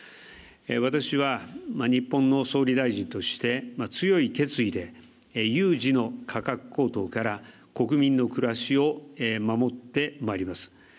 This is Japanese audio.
私は、日本の総理大臣として強い決意で有事の価格高騰から国民の暮らしを守ってまいります。